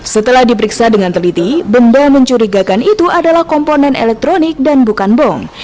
setelah diperiksa dengan teliti benda mencurigakan itu adalah komponen elektronik dan bukan bom